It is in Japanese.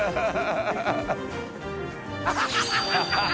ハハハ